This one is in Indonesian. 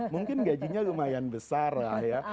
mungkin gajinya lumayan besar lah ya